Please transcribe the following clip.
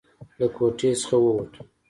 له کوټې څخه ووتو.